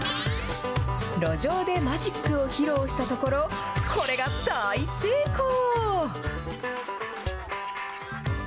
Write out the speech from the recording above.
路上でマジックを披露したところ、これが大成功。